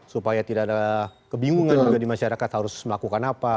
supaya tidak ada kebingungan juga di masyarakat harus melakukan apa